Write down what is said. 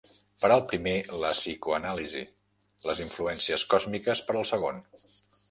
Per al primer la psicoanàlisi, les influències còsmiques per al segon.